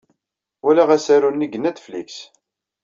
Walaɣ asaru-nni deg Netflix.